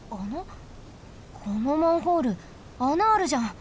このマンホール穴あるじゃん。